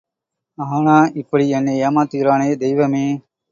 ஆனா இப்படி என்னை ஏமாத்துகிறானே!.. தெய்வமே!.